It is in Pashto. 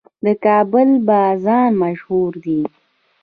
د کابل بازان مشهور دي